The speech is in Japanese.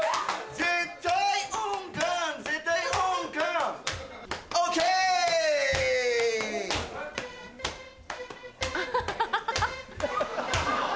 絶対音感絶対音感 ＯＫ！ ハハハ。